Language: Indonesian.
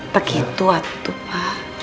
begitu atuh pa